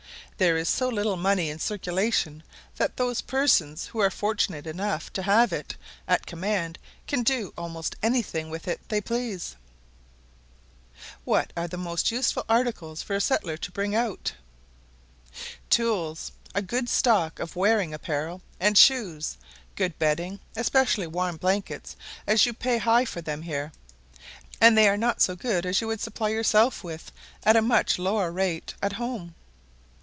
There is so little money in circulation that those persons who are fortunate enough to have it at command can do almost any thing with it they please. "What are the most useful articles for a settler to bring out?" Tools, a good stock of wearing apparel, and shoes, good bedding, especially warm blankets; as you pay high for them here, and they are not so good as you would supply yourself with at a much lower rate at home.